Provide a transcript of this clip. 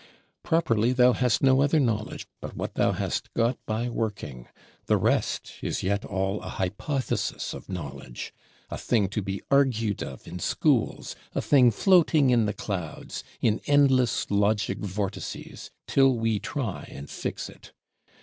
Properly thou hast no other knowledge but what thou hast got by working: the rest is yet all a hypothesis of knowledge; a thing to be argued of in schools, a thing floating in the clouds, in endless logic vortices, till we try it and fix it.